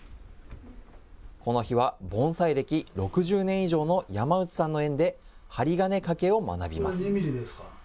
この日は盆栽歴６０年以上の山内さんの園で、針金かけを学びます。